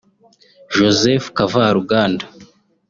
Joseph Kavaruganda